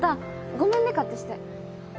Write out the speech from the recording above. ごめんね勝手して。